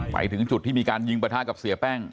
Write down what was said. ไปถึงจุดที่มีการยิงประทะกับเสียแป้ง